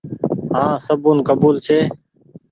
هآن سبون ڪبول ڇي۔